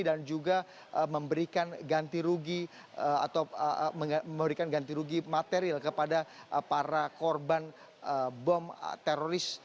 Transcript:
dan juga memberikan ganti rugi atau memberikan ganti rugi material kepada para korban bom teroris